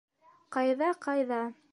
Ҡайҙа, ҡайҙа...